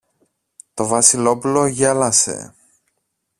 Το Βασιλόπουλο γέλασε.